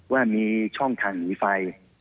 ว่ามีช่องทางหนีไฟ